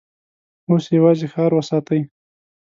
اوس يواځې ښار وساتئ!